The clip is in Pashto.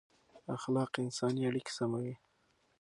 اخلاق انساني اړیکې سموي